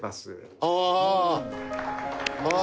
ああ！